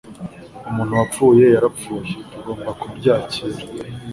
umuntu wapfuye yarapfuye, tugomba kubyakira